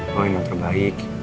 kau yang terbaik